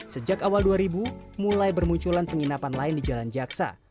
sejak awal dua ribu mulai bermunculan penginapan lain di jalan jaksa